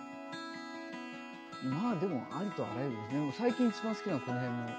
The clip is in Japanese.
まあでもありとあらゆる最近一番好きなのはこの辺の。